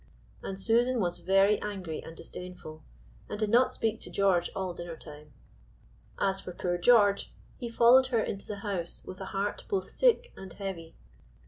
And Susan was very angry and disdainful, and did not speak to George all dinner time. As for poor George, he followed her into the house with a heart both sick and heavy.